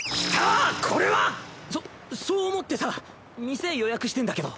そそう思ってさ店予約してんだけど。